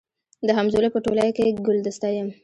د همزولو په ټولۍ کي ګلدسته یم